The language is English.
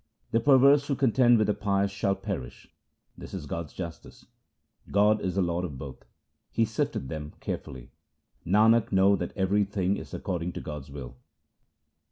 The perverse who contend with the pious shall perish ; this is God's justice. God is the Lord of both ; He sifteth them carefully. Nanak, know that everything is according to God's will.